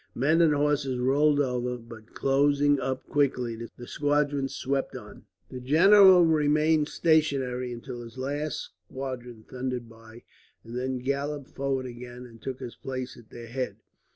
Men and horses rolled over but, closing up quickly, the squadrons swept on. The general remained stationary until his last squadron thundered by, and then galloped forward again and took his place at their head.